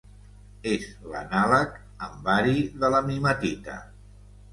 És l'anàleg amb bari de la mimetita.